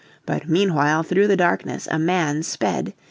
But meanwhile through the darkness a man sped.